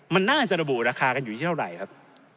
มันน่าจะระบุราคากันอยู่ที่เท่าไหร่ครับ